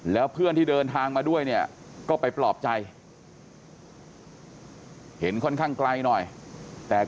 แล้วเพื่อนที่เดินทางมาด้วยเนี่ยก็ไปปลอบใจเห็นค่อนข้างไกลหน่อยแต่